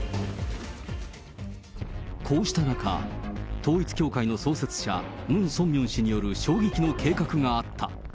こうした中、統一教会の創設者、ムン・ソンミョン氏による衝撃の計画があった。